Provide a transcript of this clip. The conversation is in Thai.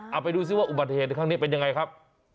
เอาไปดูซิว่าอุบัติเหตุครั้งนี้เป็นยังไงครับ